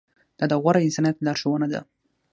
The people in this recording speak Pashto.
دا د غوره انسانیت لارښوونه ده.